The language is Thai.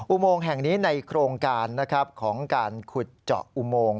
อุโมงแห่งนี้ในโครงการนะครับของการขุดเจาะอุโมง